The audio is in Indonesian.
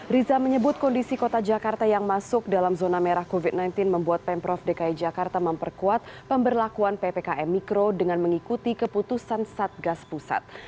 riza menyebut kondisi kota jakarta yang masuk dalam zona merah covid sembilan belas membuat pemprov dki jakarta memperkuat pemberlakuan ppkm mikro dengan mengikuti keputusan satgas pusat